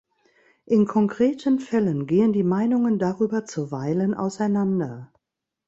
In konkreten Fällen gehen die Meinungen darüber zuweilen auseinander.